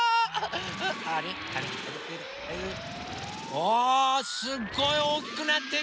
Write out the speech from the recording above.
あすっごいおおきくなっていく。